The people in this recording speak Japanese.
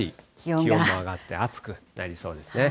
気温も上がって暑くなりそうですね。